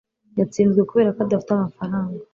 yatsinzwe kubera ko adafite amafaranga